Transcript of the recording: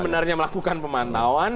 sebenarnya melakukan pemantauan